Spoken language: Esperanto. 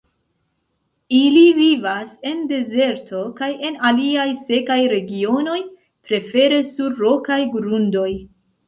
Ili vivas en dezerto kaj en aliaj sekaj regionoj, prefere sur rokaj grundoj.